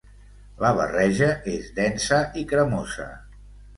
La barreja és densa i cremosa.